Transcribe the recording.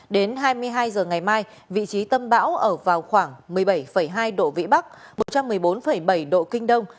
đến hai mươi hai h ngày mai vị trí tâm bão ở vào khoảng một mươi bảy hai độ vĩ bắc một trăm một mươi bốn bảy độ kinh đông